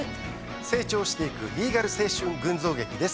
成長していくリーガル青春群像劇です。